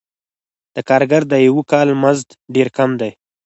د کارګر د یوه کال مزد ډېر کم دی